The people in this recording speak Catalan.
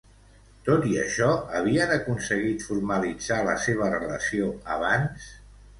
Tot i això, havien aconseguit formalitzar la seva relació abans?